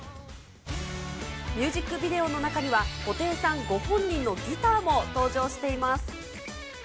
ミュージックビデオの中には、布袋さんご本人のギターも登場しています。